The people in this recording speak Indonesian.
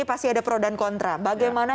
pasti ada pro dan kontra bagaimana